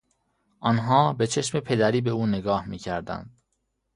آنها به چشم پدری به او نگاه میکردند.